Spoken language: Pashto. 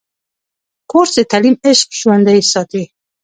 کورس د تعلیم عشق ژوندی ساتي.